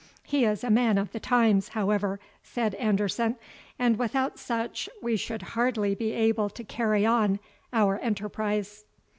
"He is a man of the times, however," said Anderson; "and without such we should hardly be able to carry on our enterprise."